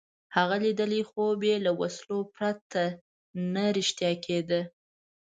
هغه لیدلی خوب یې له وسلو پرته نه رښتیا کېده.